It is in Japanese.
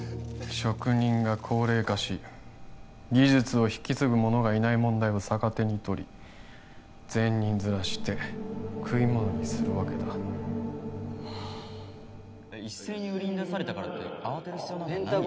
職人が高齢化し技術を引き継ぐ者がいない問題を逆手に取り善人面して食いものにするわけだ一斉に売りに出されたからって慌てる必要なんかないよ